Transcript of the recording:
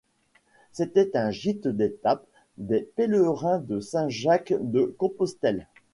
C'était un gîte d'étape des pèlerins de Saint-Jacques-de-Compostelle.